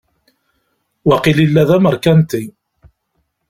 Waqil yella d ameṛkanti.